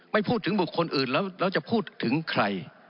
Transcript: ไม่พูดถึงบุคคลอื่นแล้วจะพูดถึงใคร